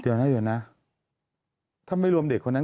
แต่ได้ยินจากคนอื่นแต่ได้ยินจากคนอื่น